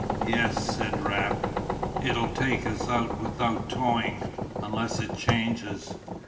"Yes," said Raft, "it'll take us out without towing, unless it changes."